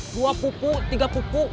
dua pupu tiga pupu